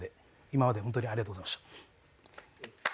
今まで本当にありがとうございました。